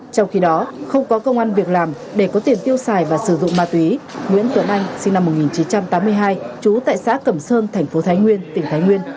trong khi đó không có công an việc làm để có tiền tiêu xài và sử dụng ma túy nguyễn tuấn anh sinh năm một nghìn chín trăm tám mươi hai trú tại xã cẩm sơn thành phố thái nguyên tỉnh thái nguyên